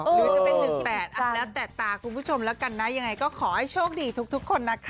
แล้วแตะตาคุณผู้ชมละกันนะยังไงก็ขอให้โชคดีทุกคนนะคะ